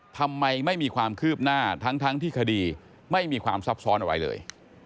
ทำไมไม่มีความคืบหน้าทั้งที่คดีไม่มีความซับซ้อนอะไรเลย